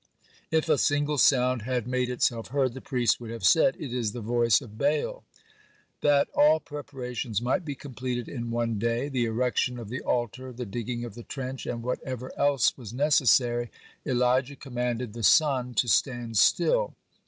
If a single sound had made itself heard, the priests would have said, "It is the voice of Baal." (16) That all preparations might be completed in one day, the erection of the altar, the digging of the trench, and whatever else was necessary, Elijah commanded the sun to stand still.